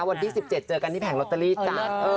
วันที่๑๗เจอกันที่แผงลอตเตอรี่จ้ะ